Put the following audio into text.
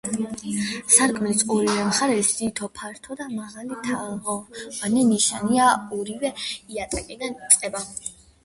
სარკმლის ორივე მხარეს თითო ფართო და მაღალი თაღოვანი ნიშია, ორივე იატაკიდან იწყება.